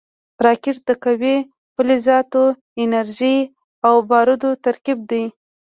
راکټ د قوي فلزاتو، انرژۍ او بارودو ترکیب دی